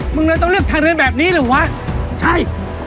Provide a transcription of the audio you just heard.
มึงเลยต้องเลือกทางเดินแบบนี้เหรอวะใช่